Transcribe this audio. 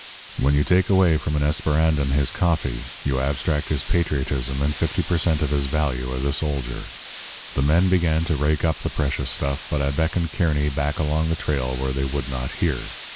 _ When you take away from an Esperandan his coffee, you abstract his patriotism and 50 per cent. of his value as a soldier. The men began to rake up the precious stuff; but I beckoned Kearny back along the trail where they would not hear.